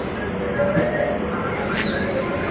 شپه پخه سي چي ویدېږم غزل راسي.